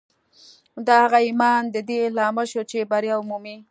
د هغه ایمان د دې لامل شو چې بریا ومومي